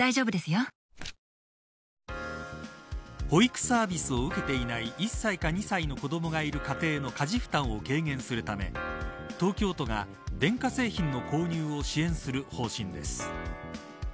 保育サービスを受けていない１歳か２歳の子どもがいる家庭の家事負担を軽減するため東京都が、電化製品の購入を支援する方針です。